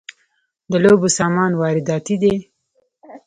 د لوبو سامان وارداتی دی؟